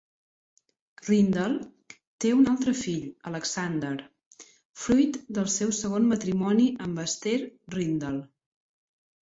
Rydell té un altre fill, Alexander, fruit del seu segon matrimoni amb Esther Rydell.